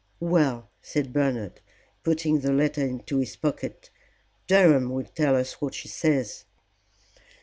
"Well," said Bernard, putting the letter into his pocket, "Durham will tell us what she says."